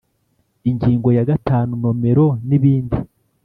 Ingingo ya gatanu Nomero n ibindi